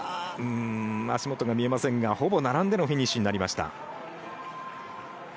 足元が見えませんがほぼ並んでのフィニッシュになりました。